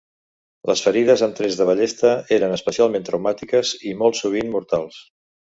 Les ferides amb trets de ballesta eren especialment traumàtiques i, molt sovint, mortals.